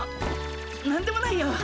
何でもないよ。